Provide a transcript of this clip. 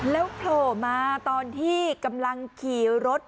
แล้วโผล่มาตอนที่กำลังขี่รถ